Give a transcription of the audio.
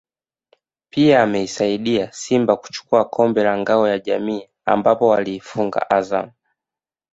pia ameisaidia Simba kuchukua kombe la Ngao ya Jamii ambapo waliifunga Azam